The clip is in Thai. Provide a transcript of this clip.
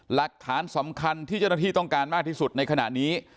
หลักฐานสำคัญที่เจ้าหน้าที่ต้องการมากที่สุดในขณะนี้